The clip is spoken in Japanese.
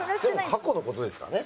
過去の事ですからね。